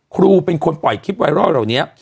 ครูเป็นคนปล่อยคลิปไวรัลเหล่านี้